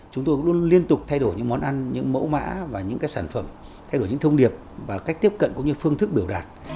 chúng tôi luôn liên tục thay đổi những món ăn những mẫu mã và những sản phẩm thay đổi những thông điệp và cách tiếp cận cũng như phương thức biểu đạt